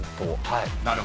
はい。